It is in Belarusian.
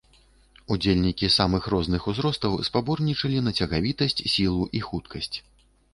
Удзельнікі самых розных узростаў спаборнічалі на цягавітасць, сілу і хуткасць.